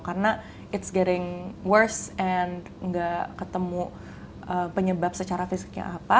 karena it s getting worse and nggak ketemu penyebab secara fisiknya apa